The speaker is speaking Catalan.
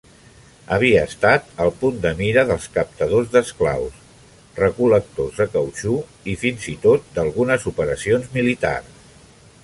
Havia estat el punt de mira dels captadors d'esclaus, recol·lectors de cautxú i fins i tot d'algunes operacions militars.